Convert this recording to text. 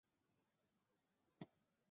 所以已经是一个参选主席的大热门。